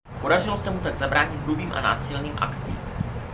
Podařilo se mu tak zabránit hrubým a násilným akcím.